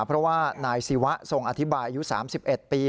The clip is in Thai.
เพราะว่านายศิวะทรงอธิบายอายุ๓๑ปี